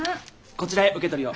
こちらへ受取を。